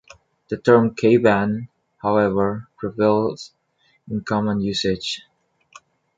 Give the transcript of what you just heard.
The term "K-Bahn", however, prevails in common usage.